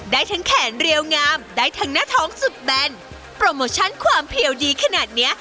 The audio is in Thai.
ได้ทั้งแขนเรียวงามได้ทั้งหน้าท้องสุดแบนโปรโมชั่นความเพียวดีขนาดเนี้ย